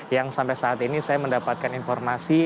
yang sampai saat ini saya mendapatkan informasi